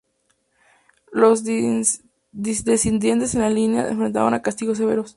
Los disidentes en línea se enfrentaron a castigos severos.